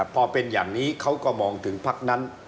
พอเป็นอย่างนี้เขาก็มองถึงพักนั้น